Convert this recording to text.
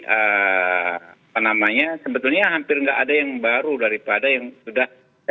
apa namanya sebetulnya hampir nggak ada yang baru daripada yang sudah